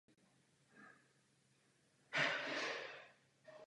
To je vše, co tento návrh stanoví.